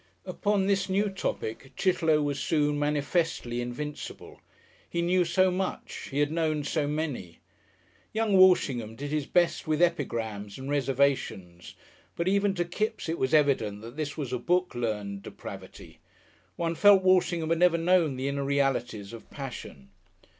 ] Upon this new topic Chitterlow was soon manifestly invincible. He knew so much, he had known so many. Young Walshingham did his best with epigrams and reservations, but even to Kipps it was evident that this was a book learned depravity. One felt Walshingham had never known the inner realities of passion.